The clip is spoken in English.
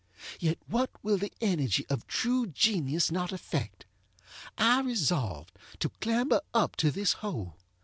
Yet what will the energy of true genius not effect? I resolved to clamber up to this hole.